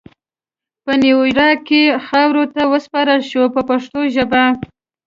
په نیویارک کې خاورو ته وسپارل شو په پښتو ژبه.